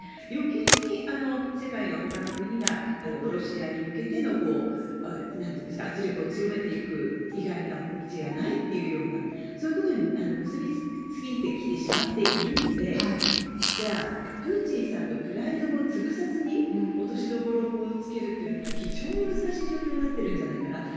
余計に世界のほかの国がロシアに向けての圧力を強めていく以外の道はないというようなそういうことに結びついてきてしまっているのでじゃあ、プーチンさんのプライドも潰さずに落としどころを見つけるのが非常に難しい状況になっているんじゃないのかな。